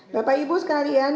bapak ibu sekalian